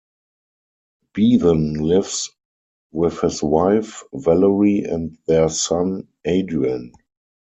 Bevan lives with his wife, Valerie, and their son, Adrian.